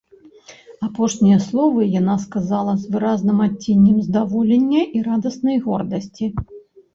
Апошнія словы яна сказала з выразным адценнем здаволення і радаснай гордасці.